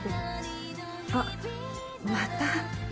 あっまた。